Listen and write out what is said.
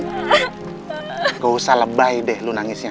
tidak usah lebay deh lu nangisnya